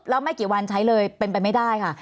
แล้วไม่กี่วันใช้เลยเป็นไปไม่ได้ค่ะ